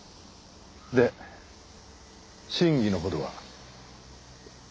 で真偽のほどは？